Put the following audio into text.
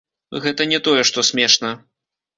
Гэта не тое што смешна.